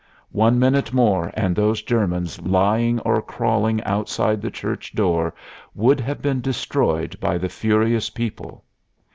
One minute more and those Germans lying or crawling outside the church door would have been destroyed by the furious people.